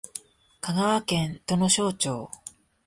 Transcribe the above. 香川県土庄町